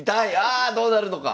あどうなるのか！